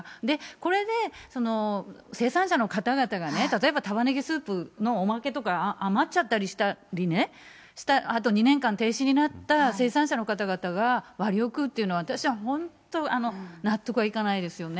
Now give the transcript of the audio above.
これで生産者の方々がね、例えばタマネギスープのおまけとか余っちゃったりしたりね、あと２年間停止になった生産者の方々がわりを食うというのは、私は本当、納得はいかないですよね。